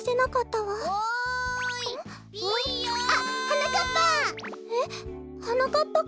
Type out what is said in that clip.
あっはなかっぱ！